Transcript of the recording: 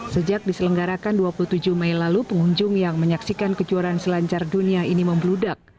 sejak diselenggarakan dua puluh tujuh mei lalu pengunjung yang menyaksikan kejuaraan selancar dunia ini membludak